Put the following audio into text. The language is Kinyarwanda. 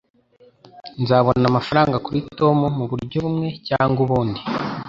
Nzabona amafaranga kuri Tom muburyo bumwe cyangwa ubundi.